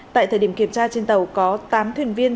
tại thời điểm kiểm tra trên tàu có tám thuyền viên